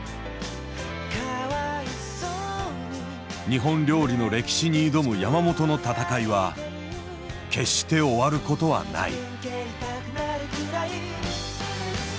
日本料理の歴史に挑む山本の闘いは決して終わる事はない。